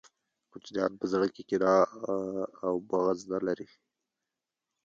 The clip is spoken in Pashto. کوچنیان په زړه کي کینه او بغض نلري